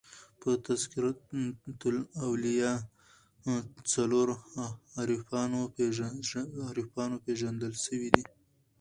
په "تذکرةالاولیاء" څلور عارفانو پېژندل سوي دي.